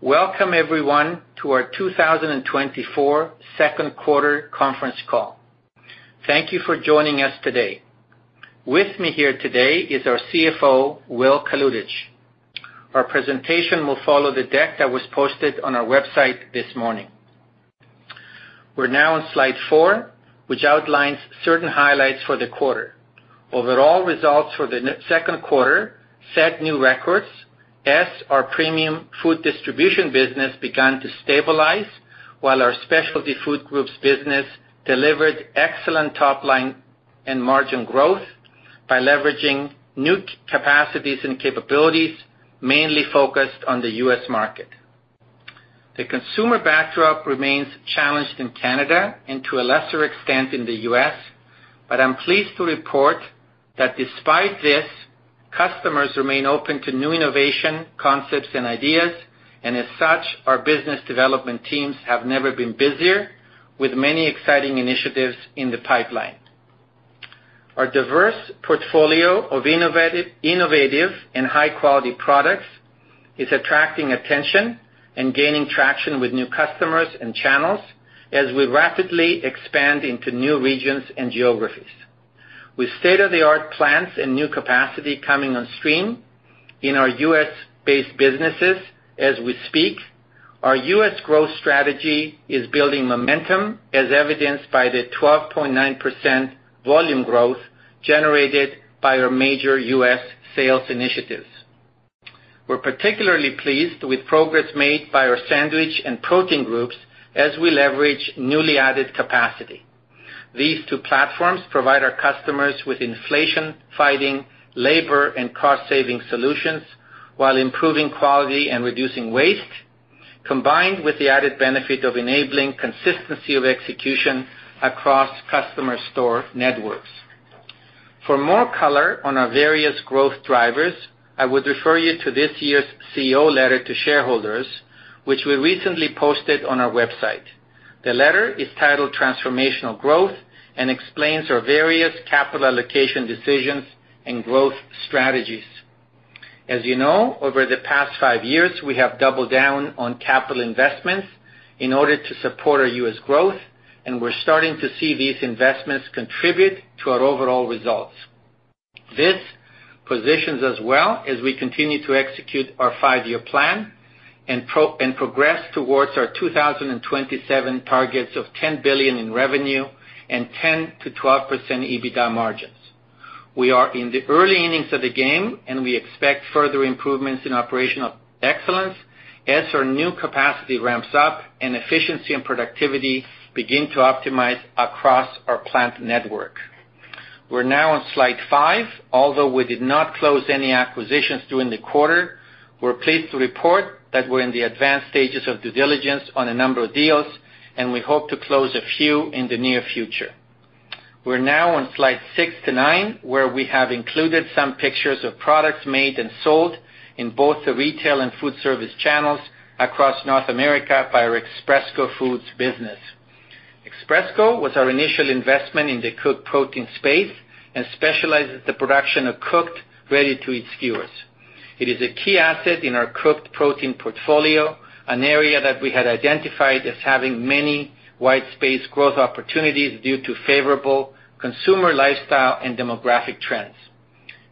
Welcome everyone to our 2024 Second Quarter Conference Call. Thank you for joining us today. With me here today is our CFO, Will Kalutycz. Our presentation will follow the deck that was posted on our website this morning. We're now on slide four, which outlines certain highlights for the quarter. Overall results for the second quarter set new records as our Premium Food Distribution business began to stabilize, while our Specialty Foods Group business delivered excellent top line and margin growth by leveraging new capacities and capabilities, mainly focused on the U.S. market. The consumer backdrop remains challenged in Canada and to a lesser extent, in the U.S., but I'm pleased to report that despite this, customers remain open to new innovation, concepts, and ideas, and as such, our business development teams have never been busier, with many exciting initiatives in the pipeline. Our diverse portfolio of innovative and high-quality products is attracting attention and gaining traction with new customers and channels as we rapidly expand into new regions and geographies. With state-of-the-art plants and new capacity coming on stream in our U.S.-based businesses, as we speak, our U.S. growth strategy is building momentum, as evidenced by the 12.9% volume growth generated by our major U.S. sales initiatives. We're particularly pleased with progress made by our sandwich and protein groups as we leverage newly added capacity. These two platforms provide our customers with inflation-fighting, labor-, and cost-saving solutions, while improving quality and reducing waste, combined with the added benefit of enabling consistency of execution across customer store networks. For more color on our various growth drivers, I would refer you to this year's CEO letter to shareholders, which we recently posted on our website. The letter is titled Transformational Growth and explains our various capital allocation decisions and growth strategies. As you know, over the past five years, we have doubled down on capital investments in order to support our US growth, and we're starting to see these investments contribute to our overall results. This positions us well as we continue to execute our five-year plan and progress towards our 2027 targets of 10 billion in revenue and 10%-12% EBITDA margins. We are in the early innings of the game, and we expect further improvements in operational excellence as our new capacity ramps up and efficiency and productivity begin to optimize across our plant network. We're now on slide 5. Although we did not close any acquisitions during the quarter, we're pleased to report that we're in the advanced stages of due diligence on a number of deals, and we hope to close a few in the near future. We're now on slide six to nine, where we have included some pictures of products made and sold in both the retail and food service channels across North America by our Expresco Foods business. Expresco was our initial investment in the cooked protein space and specializes the production of cooked, ready-to-eat skewers. It is a key asset in our cooked protein portfolio, an area that we had identified as having many white space growth opportunities due to favorable consumer lifestyle and demographic trends.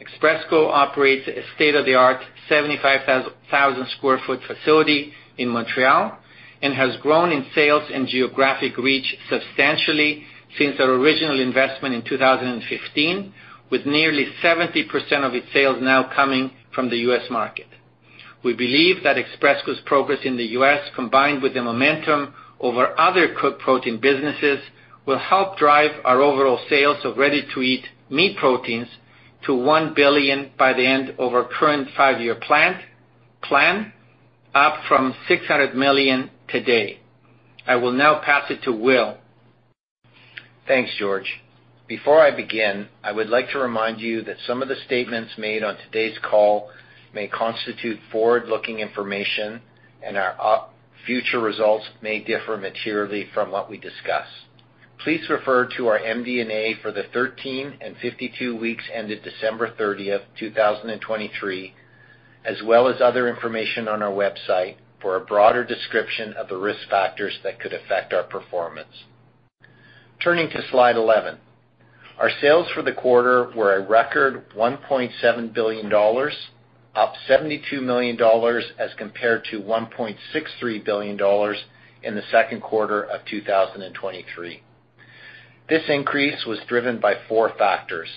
Expresco operates a state-of-the-art 75,000 sq ft facility in Montreal and has grown in sales and geographic reach substantially since our original investment in 2015, with nearly 70% of its sales now coming from the U.S. market. We believe that Expresco's progress in the U.S., combined with the momentum over other cooked protein businesses, will help drive our overall sales of ready-to-eat meat proteins to 1 billion by the end of our current five-year plan, up from 600 million today. I will now pass it to Will. Thanks, George. Before I begin, I would like to remind you that some of the statements made on today's call may constitute forward-looking information, and our future results may differ materially from what we discuss. Please refer to our MD&A for the 13 and 52 weeks ended December 30, 2023, as well as other information on our website, for a broader description of the risk factors that could affect our performance. Turning to slide 11, our sales for the quarter were a record 1.7 billion dollars, up 72 million dollars, as compared to 1.63 billion dollars in the second quarter of 2023. This increase was driven by four factors,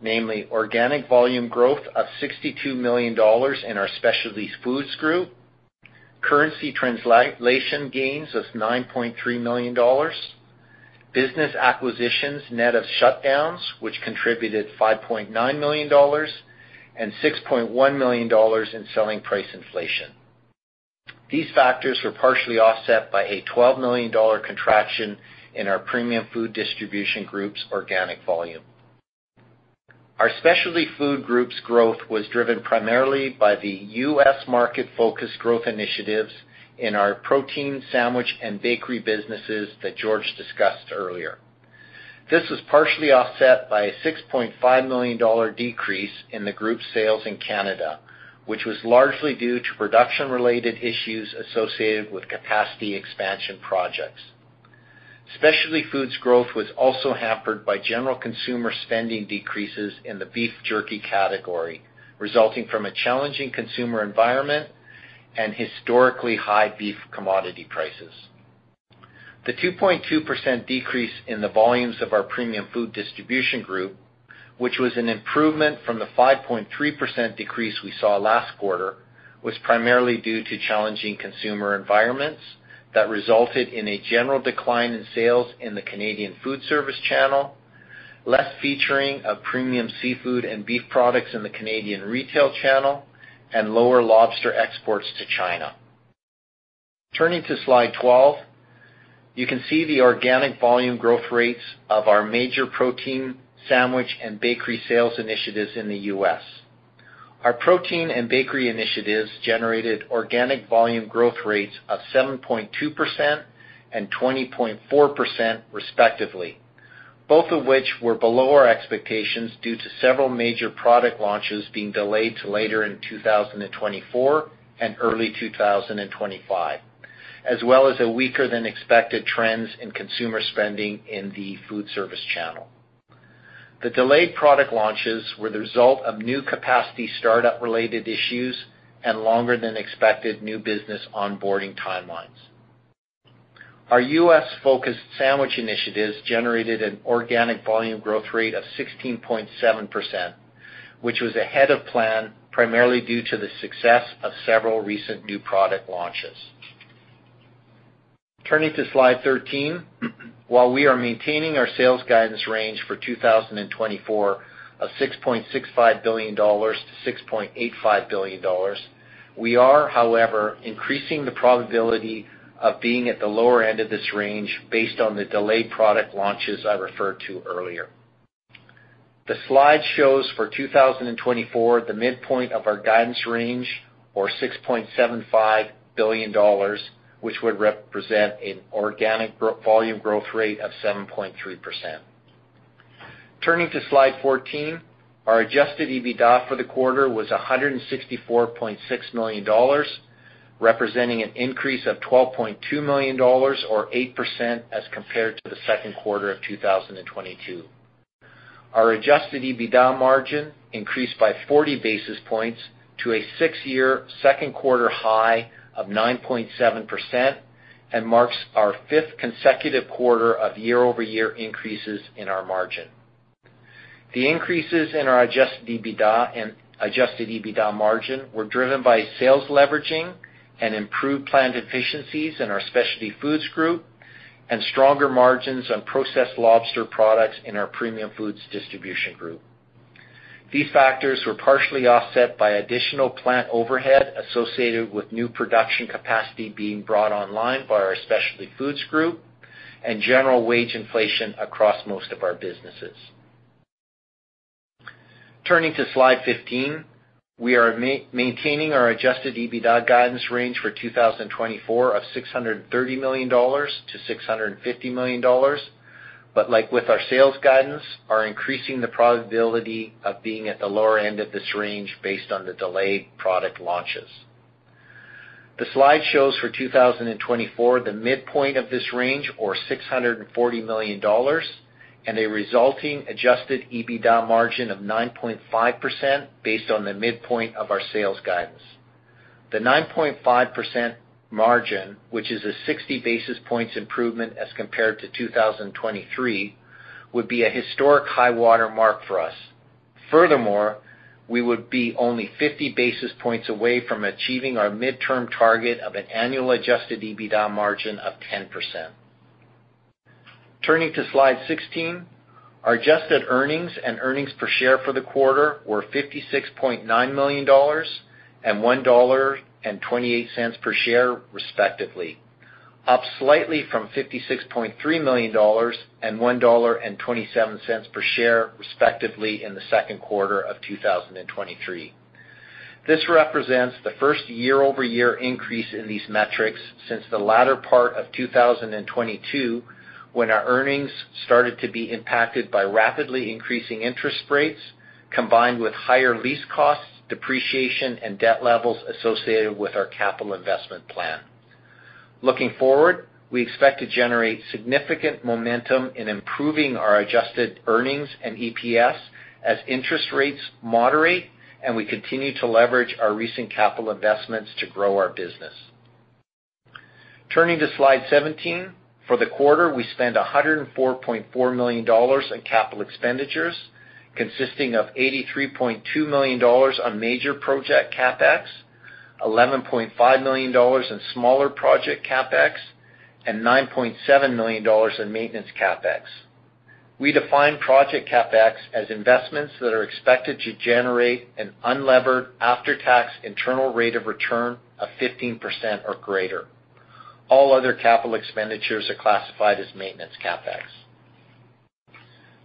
namely, organic volume growth of 62 million dollars in our Specialty Foods Group, currency translation gains of 9.3 million dollars, business acquisitions net of shutdowns, which contributed 5.9 million dollars, and 6.1 million dollars in selling price inflation. These factors were partially offset by a 12 million dollar contraction in our Premium Food Distribution Group organic volume. Our specialty food group's growth was driven primarily by the U.S. market focus growth initiatives in our protein, sandwich, and bakery businesses that George discussed earlier. This was partially offset by a 6.5 million dollar decrease in the group's sales in Canada, which was largely due to production-related issues associated with capacity expansion projects. Specialty Foods growth was also hampered by general consumer spending decreases in the beef jerky category, resulting from a challenging consumer environment and historically high beef commodity prices. The 2.2% decrease in the volumes of our premium food distribution group, which was an improvement from the 5.3% decrease we saw last quarter, was primarily due to challenging consumer environments that resulted in a general decline in sales in the Canadian food service channel, less featuring of premium seafood and beef products in the Canadian retail channel, and lower lobster exports to China. Turning to Slide 12, you can see the organic volume growth rates of our major protein, sandwich, and bakery sales initiatives in the U.S. Our protein and bakery initiatives generated organic volume growth rates of 7.2% and 20.4%, respectively, both of which were below our expectations due to several major product launches being delayed to later in 2024 and early 2025, as well as a weaker-than-expected trends in consumer spending in the food service channel. The delayed product launches were the result of new capacity startup-related issues and longer-than-expected new business onboarding timelines. Our U.S.-focused sandwich initiatives generated an organic volume growth rate of 16.7%, which was ahead of plan, primarily due to the success of several recent new product launches. Turning to Slide 13, while we are maintaining our sales guidance range for 2024 of 6.65 billion-6.85 billion dollars, we are, however, increasing the probability of being at the lower end of this range based on the delayed product launches I referred to earlier. The slide shows for 2024, the midpoint of our guidance range, or 6.75 billion dollars, which would represent an organic volume growth rate of 7.3%. Turning to Slide 14, our Adjusted EBITDA for the quarter was 164.6 million dollars, representing an increase of 12.2 million dollars or 8% as compared to the second quarter of 2022. Our adjusted EBITDA margin increased by 40 basis points to a six-year, second quarter high of 9.7% and marks our fifth consecutive quarter of year-over-year increases in our margin. The increases in our adjusted EBITDA and adjusted EBITDA margin were driven by sales leveraging and improved plant efficiencies in our Specialty Foods group, and stronger margins on processed lobster products in our Premium Foods Distribution group. These factors were partially offset by additional plant overhead associated with new production capacity being brought online by our Specialty Foods group and general wage inflation across most of our businesses. Turning to Slide 15, we are maintaining our adjusted EBITDA guidance range for 2024 of 630 million-650 million dollars. Like with our sales guidance, are increasing the probability of being at the lower end of this range based on the delayed product launches. The slide shows for 2024, the midpoint of this range, or 640 million dollars, and a resulting Adjusted EBITDA margin of 9.5% based on the midpoint of our sales guidance. The 9.5% margin, which is a 60 basis points improvement as compared to 2023, would be a historic high water mark for us. Furthermore, we would be only 50 basis points away from achieving our midterm target of an annual Adjusted EBITDA margin of 10%. Turning to Slide 16, our adjusted earnings and earnings per share for the quarter were 56.9 million dollars and 1.28 dollar per share, respectively, up slightly from 56.3 million dollars and 1.27 dollar per share, respectively, in the second quarter of 2023. This represents the first year-over-year increase in these metrics since the latter part of 2022, when our earnings started to be impacted by rapidly increasing interest rates, combined with higher lease costs, depreciation, and debt levels associated with our capital investment plan. Looking forward, we expect to generate significant momentum in improving our adjusted earnings and EPS as interest rates moderate, and we continue to leverage our recent capital investments to grow our business. Turning to Slide 17, for the quarter, we spent 104.4 million dollars in capital expenditures, consisting of 83.2 million dollars on major project CapEx, 11.5 million dollars in smaller project CapEx, and 9.7 million dollars in maintenance CapEx. We define project CapEx as investments that are expected to generate an unlevered after-tax internal rate of return of 15% or greater. All other capital expenditures are classified as maintenance CapEx.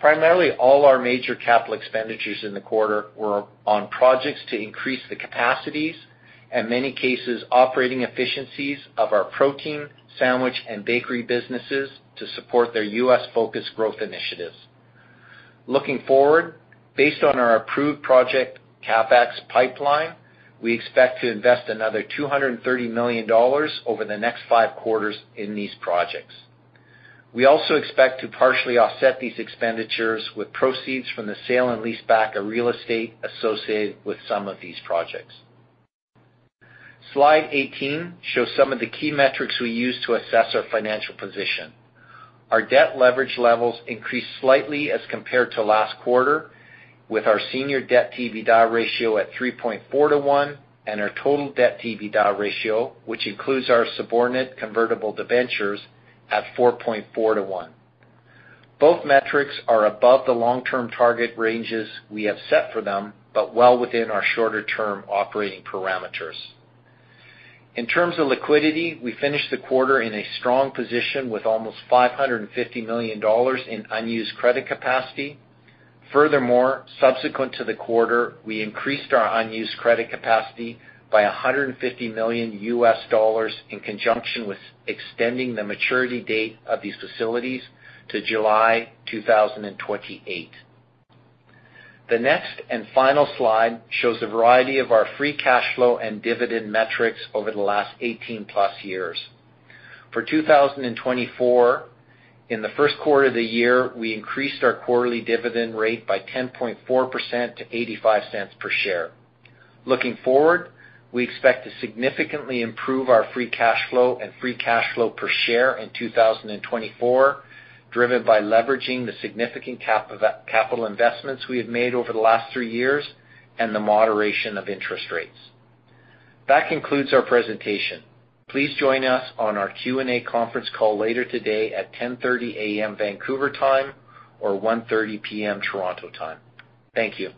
Primarily, all our major capital expenditures in the quarter were on projects to increase the capacities, in many cases, operating efficiencies of our protein, sandwich, and bakery businesses to support their U.S.-focused growth initiatives. Looking forward, based on our approved project CapEx pipeline, we expect to invest another 230 million dollars over the next five quarters in these projects. We also expect to partially offset these expenditures with proceeds from the sale and lease back of real estate associated with some of these projects. Slide 18 shows some of the key metrics we use to assess our financial position. Our debt leverage levels increased slightly as compared to last quarter, with our senior debt to EBITDA ratio at 3.4 to 1, and our total debt to EBITDA ratio, which includes our subordinate convertible debentures, at 4.4 to 1. Both metrics are above the long-term target ranges we have set for them, but well within our shorter-term operating parameters. In terms of liquidity, we finished the quarter in a strong position with almost 550 million dollars in unused credit capacity. Furthermore, subsequent to the quarter, we increased our unused credit capacity by $150 million in conjunction with extending the maturity date of these facilities to July 2028. The next and final slide shows a variety of our free cash flow and dividend metrics over the last 18+ years. For 2024, in the first quarter of the year, we increased our quarterly dividend rate by 10.4% to 0.85 per share. Looking forward, we expect to significantly improve our free cash flow and free cash flow per share in 2024, driven by leveraging the significant capital investments we have made over the last three years and the moderation of interest rates. That concludes our presentation. Please join us on our Q&A conference call later today at 10:30 A.M., Vancouver time, or 1:30 P.M., Toronto time. Thank you.